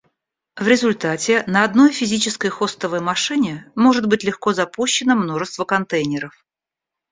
В результате на одной физической хостовой машине может быть легко запущено множество контейнеров